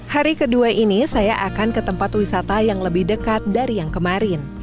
hari kedua ini saya akan ke tempat wisata yang lebih dekat dari yang kemarin